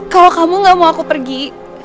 kalau kamu gak mau aku pergi